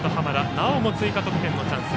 なおも追加得点のチャンス。